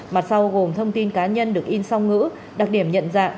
mặt sau gồm thông tin cá nhân được in song ngữ đặc điểm nhận dạng